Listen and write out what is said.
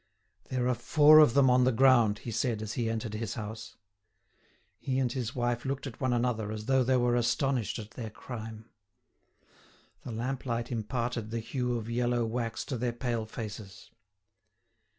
"There are four of them on the ground," he said, as he entered his house. He and his wife looked at one another as though they were astonished at their crime. The lamplight imparted the hue of yellow wax to their pale faces.